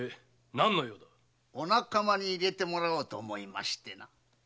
お仲間に入れてもらおうと思いましてな。